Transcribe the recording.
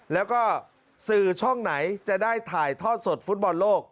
แล้วก็สื่อช่องไหนจะได้ถ่ายทอดสดฟุตบอลโลก